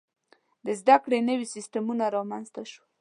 • د زده کړې نوي سیستمونه رامنځته شول.